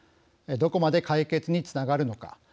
どこまで解決につながるのか。